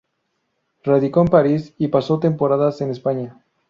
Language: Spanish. Radicó en París y pasó temporadas en España.